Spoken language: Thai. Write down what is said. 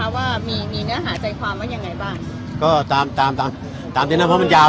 ว่ามีมีเนื้อหาใจความว่ายังไงบ้างก็ตามตามตามตัวนั้นเพราะมันยาว